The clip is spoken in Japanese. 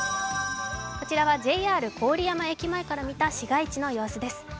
こちらはＪＲ郡山駅前から見た市街地の様子です。